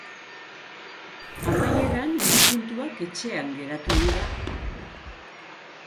Amaieran, hiru puntuak etxean geratu dira.